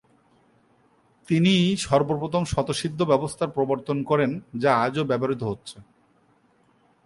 তিনি সর্বপ্রথম স্বতঃসিদ্ধ ব্যবস্থার প্রবর্তন করেন যা আজও ব্যবহৃত হচ্ছে।